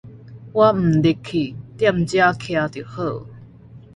我毋入去，蹛遮徛就好